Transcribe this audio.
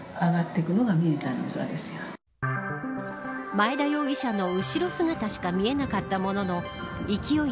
前田容疑者の後ろ姿しか見えなかったものの勢い